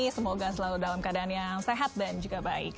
semoga selalu dalam keadaan yang sehat dan juga baik